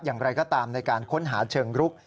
อย่างไรก็ตามในการค้นหาเชิงรุก